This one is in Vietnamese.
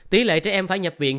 tỷ lệ trẻ em phải nhập viện